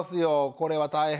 これは大変。